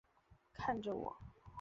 看着我